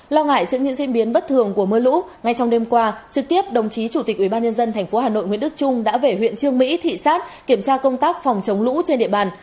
lo ngại trước những diễn biến bất thường của mưa lũ ngay trong đêm qua trực tiếp đồng chí chủ tịch ubnd tp hà nội nguyễn đức trung đã về huyện trương mỹ thị xát kiểm tra công tác phòng chống lũ trên địa bàn